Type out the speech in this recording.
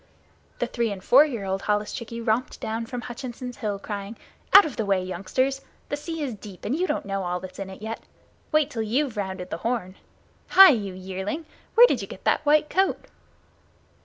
The three and four year old holluschickie romped down from Hutchinson's Hill crying: "Out of the way, youngsters! The sea is deep and you don't know all that's in it yet. Wait till you've rounded the Horn. Hi, you yearling, where did you get that white coat?"